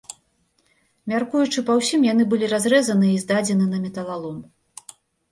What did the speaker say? Мяркуючы па ўсім, яны былі разрэзаныя і здадзены на металалом.